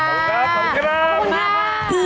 ขอบคุณครับ